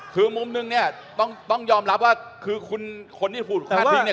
คือมุมนึงเนี่ยต้องยอมรับว่าคือคุณคนที่พูดอันนี้เนี่ย